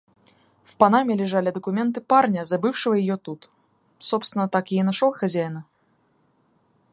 В панаме лежали документы парня, забывшего её тут. Собственно, так я и нашёл хозяина.